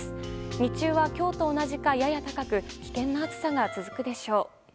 日中は今日と同じかやや高く危険な暑さが続くでしょう。